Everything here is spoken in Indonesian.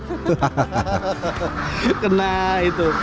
kali ini saya apes celana saya kena kotoran bebek